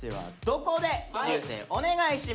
流星お願いします。